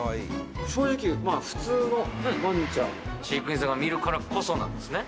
正直まあ普通のワンちゃん飼育員さんが見るからこそなんですね？